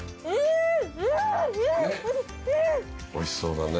おいしそうだね。